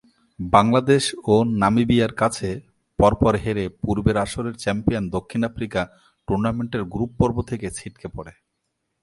বাংলাদেশ ও নামিবিয়ার কাছে পর-পর হেরে, পূর্বের আসরের চ্যাম্পিয়ন দক্ষিণ আফ্রিকা টুর্নামেন্টের গ্রুপ পর্বে থেকে ছিটকে পড়ে।